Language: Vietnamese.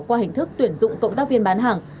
qua hình thức tuyển dụng cộng tác viên bán hàng